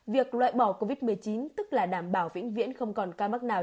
việc loại bỏ covid một mươi chín tức là đảm bảo vĩnh viễn không còn ca mắc nào